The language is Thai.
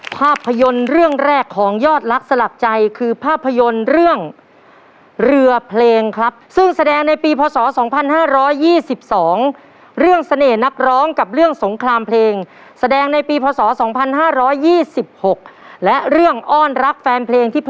ภาพยนตร์เรื่องแรกของยอดรักสลักใจคือภาพยนตร์เรื่อง